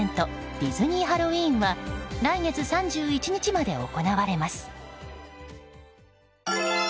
ディズニー・ハロウィーンは来月３１日まで行われます。